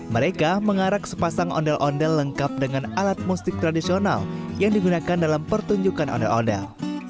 mereka mengarak sepasang ondel ondel lengkap dengan alat musik tradisional yang digunakan dalam pertunjukan ondel ondel